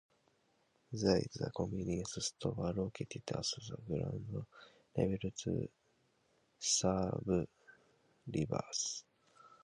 There is a convenience store located at the ground level to serve riders.